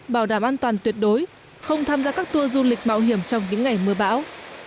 bảo đảm an toàn tuyệt đối không tham gia các tour du lịch mạo hiểm trong những ngày mưa bão